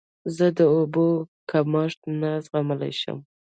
زه د اوبو کمښت نه زغملی شم.